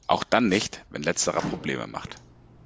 Auch dann nicht, wenn letzterer Probleme macht.